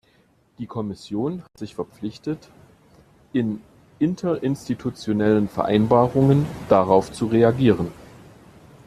Die Kommission hat sich verpflichtet, in interinstitutionellen Vereinbarungen darauf zu reagieren.